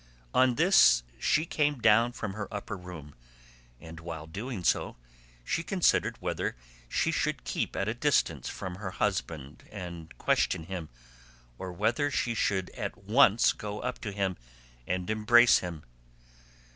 On this she came down from her upper room, and while doing so she considered whether she should keep at a distance from her husband and question him, or whether she should at once go up to him and embrace him.